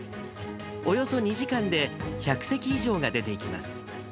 およそ２時間で１００隻以上が出ていきます。